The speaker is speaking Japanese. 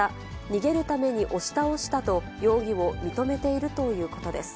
逃げるために押し倒したと容疑を認めているということです。